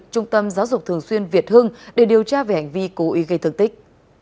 trung tâm giáo dục thường xuyên việt hưng để điều tra về hành vi cố ý gây thương tích